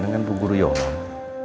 dengan bu guru yolong